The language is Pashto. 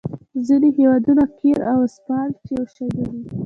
ځینې هیوادونه قیر او اسفالټ یو شی ګڼي